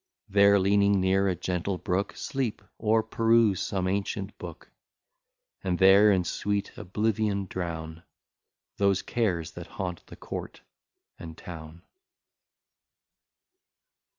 There leaning near a gentle brook, Sleep, or peruse some ancient book; And there in sweet oblivion drown Those cares that haunt the court and town.